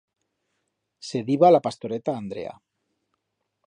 Se diba la pastoreta Andrea.